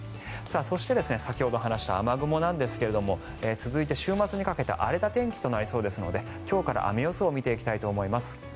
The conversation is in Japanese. そして、先ほど話した雨雲なんですが続いて、週末にかけて荒れた天気となりそうですので今日から雨予想を見ていきたいと思います。